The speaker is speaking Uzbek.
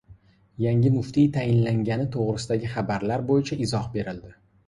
Yangi muftiy tayinlangani to‘g‘risidagi xabarlar bo‘yicha izoh berildi